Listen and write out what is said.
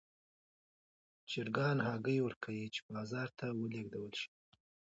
چرګان هګۍ ورکوي چې بازار ته ولېږدول شي.